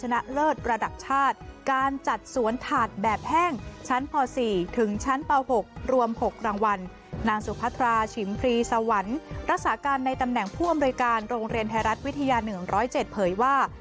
ในตำแหน่งพ่วนรายการโรงเรียนไทยรัฐวิทยา๑๐๗เผยว่า